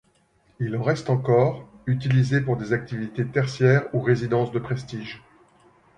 Il en reste encore, utilisés pour des activités tertiaires ou résidences de prestige.